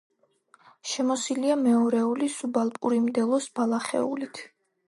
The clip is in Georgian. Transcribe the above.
შემოსილია მეორეული სუბალპური მდელოს ბალახეულით.